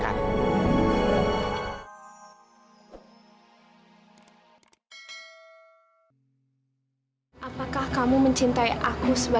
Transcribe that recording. kalau aku bukan kemarannya sita